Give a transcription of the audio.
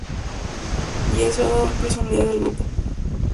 Y eso ha dado tal vez más personalidad al grupo.